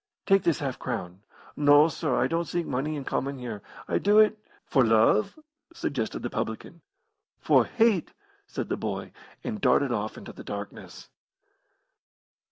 "Take this half crown." "No, sir, I don't seek money in comin' here. I do it " "For love?" suggested the publican. "For hate!" said the boy, and darted off into the darkness.